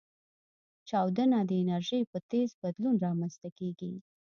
چاودنه د انرژۍ په تیز بدلون رامنځته کېږي.